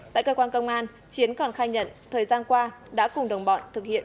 tại cơ quan công an chiến còn khai nhận thời gian qua đã cùng đồng bọn thực hiện